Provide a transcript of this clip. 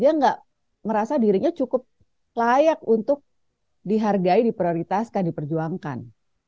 dia nggak merasa dirinya cukup layak untuk dihargai diprioritaskan diperjuangkan